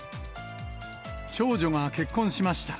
長女が結婚しました。